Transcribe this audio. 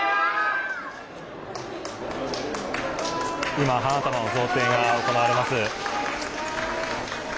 今、花束の贈呈が行われます。